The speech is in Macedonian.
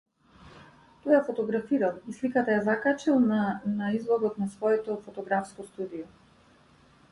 Тој ја фотографирал, и сликата ја закачил на на излогот на своето фотографско студио.